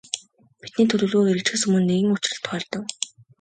Бидний төлөвлөгөө хэрэгжихээс өмнө нэгэн учрал тохиолдов.